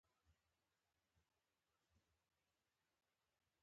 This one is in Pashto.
په جنګ کې هېڅوک ګټونکی نه وي، یوازې زیانونه وي.